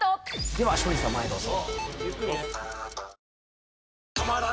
では松陰寺さん前へどうぞ。